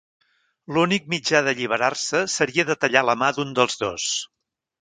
L'únic mitjà d'alliberar-se seria de tallar la mà d'un dels dos.